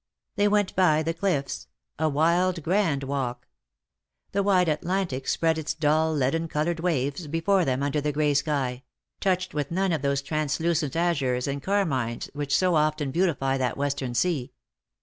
They went by the cliffs — a wild grand walk. The wide Atlantic spread its dull leaden coloured waves before them under the grey sky — touched with none of those translucent azures and carmines 229 whicli so often beautify that western sea.